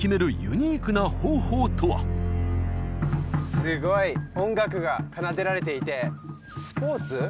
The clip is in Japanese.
すごい音楽が奏でられていてスポーツ？